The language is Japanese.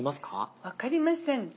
分かりません。